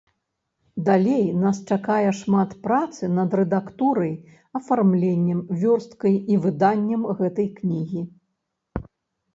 Далей нас чакае шмат працы над рэдактурай, афармленнем, вёрсткай і выданнем гэтай кнігі.